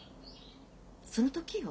その時よ